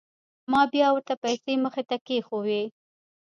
ما بيا ورته پيسې مخې ته کښېښووې.